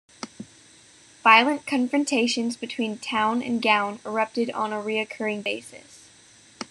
Violent confrontations between town and gown erupted on a recurring basis.